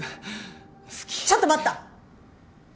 ちょっと待った！